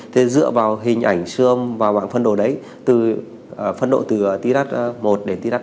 thì dựa vào hình ảnh sư âm và bảng phân độ đấy phân độ từ t rat một đến t rat năm